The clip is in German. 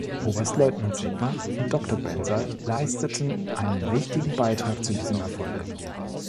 Oberstleutnant Sethna und Dr. Bensal leisteten einen wichtigen Beitrag zu diesem Erfolg.